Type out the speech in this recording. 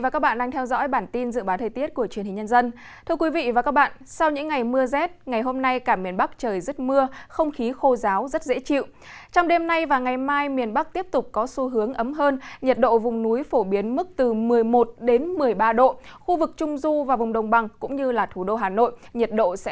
các bạn hãy đăng ký kênh để ủng hộ kênh của chúng mình nhé